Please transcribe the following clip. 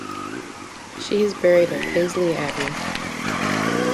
She is buried at Paisley Abbey.